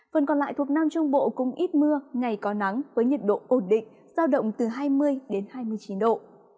phần còn lại thuộc nam trung bộ cũng ít mưa ngày có nắng với nhiệt độ ổn định giao động từ hai mươi đến hai mươi chín độ